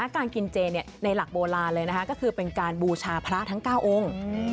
การกินเจในหลักโบราณเลยนะคะก็คือเป็นการบูชาพระทั้ง๙องค์